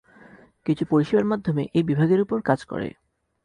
কিছু পরিষেবার মাধ্যমে এই বিভাগের উপর কাজ করে।